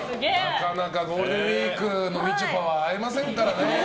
なかなかゴールデンウィークのみちょぱは会えませんからね。